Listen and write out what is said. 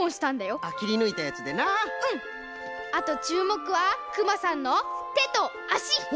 あとちゅうもくはクマさんのてとあし！